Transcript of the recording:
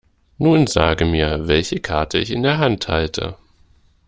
Nun sage mir, welche Karte ich in der Hand halte.